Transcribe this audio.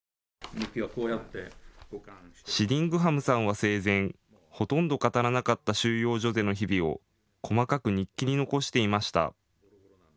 シディングハムさんは生前、ほとんど語らなかった収容所での日々を細かく日記に残していました。